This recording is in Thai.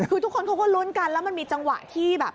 คือทุกคนเขาก็ลุ้นกันแล้วมันมีจังหวะที่แบบ